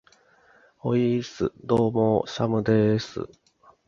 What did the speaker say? ｵｨｨｨｨｨｨｯｽ!どうもー、シャムでーす。